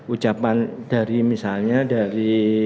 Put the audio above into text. ucapan dari misalnya dari